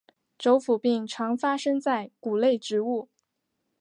轴腐病常发生在谷类植物。